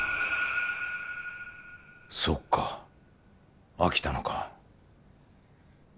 そっか飽きたのか。